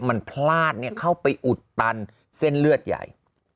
มันพลาดเข้าไปอุดตันเส้นเลือดใหญ่